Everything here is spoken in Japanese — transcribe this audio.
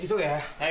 はい。